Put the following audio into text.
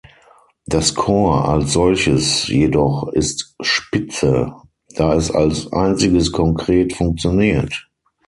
Das Korps als solches jedoch ist Spitze, da es als einziges konkret funktioniert.